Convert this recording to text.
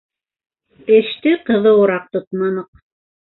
— Эште ҡыҙыуыраҡ тотманыҡ.